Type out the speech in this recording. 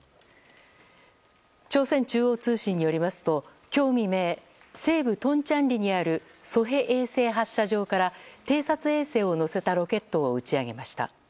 朝鮮中央通信によりますと今日未明西部トンチャンリにあるソヘ衛星発射場から偵察衛星を載せたロケットを打ち上げました。